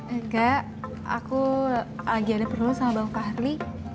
eh nggak aku lagi ada perlu sama bapak fahri